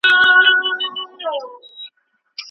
نکاح نه يوازي دا چي حلاله ده، بلکي شرعي حکم دی.